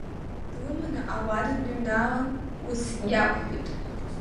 Длыманы ауада дныҩналан ус иалҳәеит…